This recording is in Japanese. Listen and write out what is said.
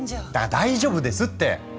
大丈夫ですって！